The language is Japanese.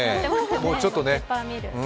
もうちょっとね。